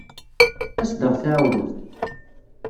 As-d ad aɣ-tɛawneḍ.